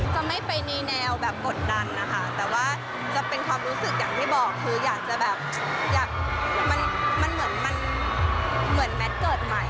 จะไม่ไปในแนวแบบกดดันนะคะแต่ว่าจะเป็นความรู้สึกอย่างที่บอกคืออยากจะแบบอยากมันเหมือนมันเหมือนแมทเกิดใหม่